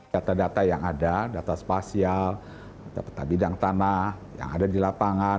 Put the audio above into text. data data yang ada data spasial data bidang tanah yang ada di lapangan